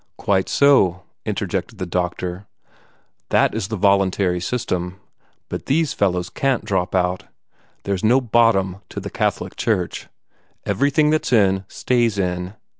"Quite so," interjected the doctor. "That is the voluntary system. But these fellows can't drop out. There's no bottom to the Catholic Church. Everything that's in, stays in.